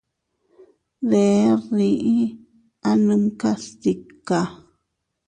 Deʼer dii, anumkas tika.